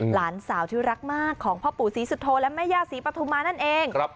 หลานสาวที่รักมากของพ่อปู่ศรีสุโธและแม่ย่าศรีปฐุมานั่นเอง